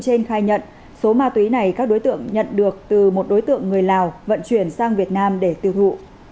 trên khai nhận số ma túy này các đối tượng nhận được từ một đối tượng người lào vận chuyển sang việt nam để tiêu thụ